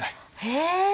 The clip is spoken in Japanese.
へえ！